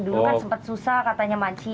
dulu kan sempat susah katanya maci